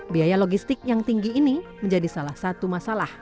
biaya logistik yang tinggi ini menjadi salah satu masalah